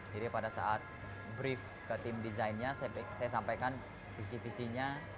jadi pada saat brief ke tim desainnya saya sampaikan visi visinya